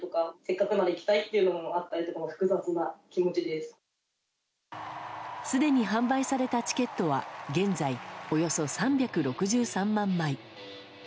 すでに販売されたチケットは現在およそ３６３万枚。